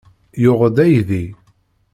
Yuɣ-d aydi.